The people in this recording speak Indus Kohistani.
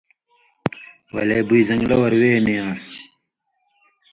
ولے بُوئ زن٘گلہ اور وے نی آن٘س۔